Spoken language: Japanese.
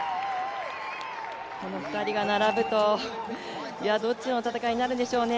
この２人が並ぶと、いやどっちの戦いになるんでしょうね